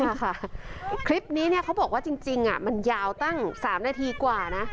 นี่ค่ะคลิปนี้เนี่ยเขาบอกว่าจริงมันยาวตั้ง๓นาทีกว่านะ